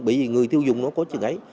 bởi vì người tiêu dùng nó có chữ ấy